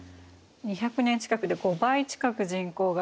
２００年近くで５倍近く人口が増えて。